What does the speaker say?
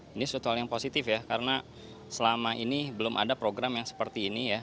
ini suatu hal yang positif ya karena selama ini belum ada program yang seperti ini ya